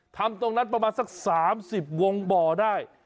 ทำตรงนั้นประมาณสัก๓๐วงบ่อได้